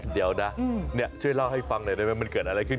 เดี๋ยวนะช่วยเล่าให้ฟังหน่อยได้ไหมมันเกิดอะไรขึ้น